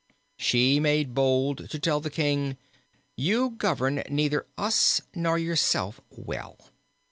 She made bold to tell the king, "You govern neither us nor yourself well."